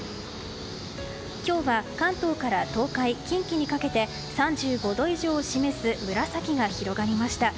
今日は関東から東海近畿にかけて３５度以上を示す紫が広がりました。